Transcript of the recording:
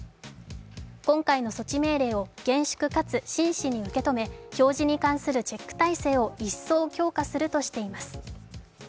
今回の措置命令を、厳粛かつ、真摯に受け止め表示に関するチェック体制を一層強化するとしています。